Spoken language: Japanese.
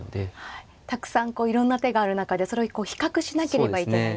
たくさんいろんな手がある中でそれを比較しなければいけないという。